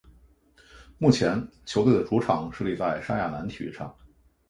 目前球队的主场设立在莎亚南体育场。